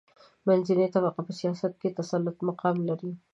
منځنۍ طبقه په سیاست کې د تسلط مقام لري.